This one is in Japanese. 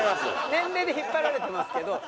年齢で引っ張られてますけど。